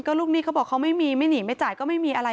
ลูกหนี้เขาบอกเขาไม่มีไม่หนีไม่จ่ายก็ไม่มีอะไร